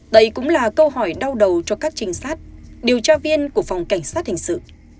đây cũng là câu hỏi đau đầu cho các trinh sát điều tra viên của phòng cảnh sát hình sự